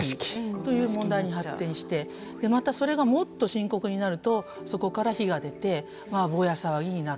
という問題に発展してまたそれがもっと深刻になるとそこから火が出てボヤ騒ぎになると。